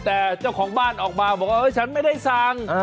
แต่เจ้าของบ้านออกมาบอกว่าฉันไม่ได้สั่ง